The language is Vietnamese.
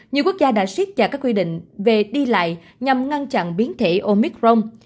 nhiều quốc gia đã suýt dạy các quy định về đi lại nhằm ngăn chặn biến thể omicron